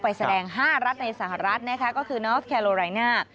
ไปแสดง๕รัฐในสหรัฐก็คือนอร์ธแคโลไลน่า